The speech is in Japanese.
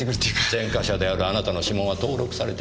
前科者であるあなたの指紋は登録されています。